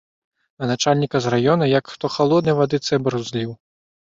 На начальніка з раёна як хто халоднай вады цэбар узліў.